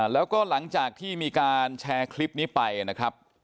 แล้วก็หลังจากที่มีการแชร์คลิปนี้ไปนะครับ